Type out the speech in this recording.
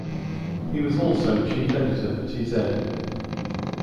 He was also chief editor for tz.